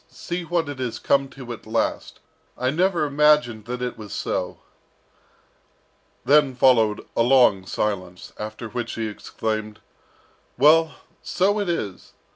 see what it has come to at last! and I never imagined that it was so!" Then followed a long silence, after which he exclaimed, "Well, so it is!